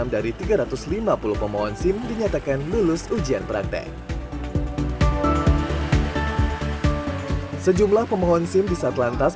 enam dari tiga ratus lima puluh pemohon sim dinyatakan lulus ujian praktek sejumlah pemohon sim di satlantas